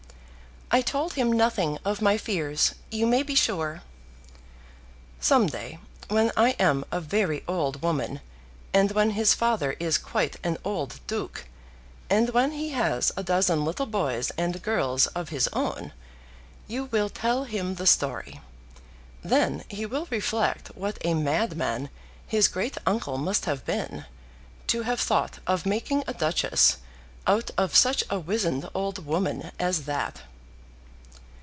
"I told him nothing of my fears, you may be sure." "Some day, when I am a very old woman, and when his father is quite an old duke, and when he has a dozen little boys and girls of his own, you will tell him the story. Then he will reflect what a madman his great uncle must have been, to have thought of making a duchess out of such a wizened old woman as that."